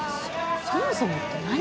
そもそもって何？